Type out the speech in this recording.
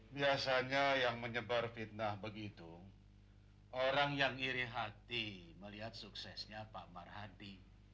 biasanya yang menyebar fitnah begitu orang yang iri hati melihat suksesnya pak marhadi